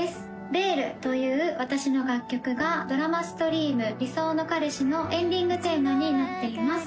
「ベール」という私の楽曲がドラマストリーム「理想ノカレシ」のエンディングテーマになっています